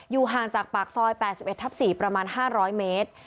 ห่างจากปากซอย๘๑ทับ๔ประมาณ๕๐๐เมตร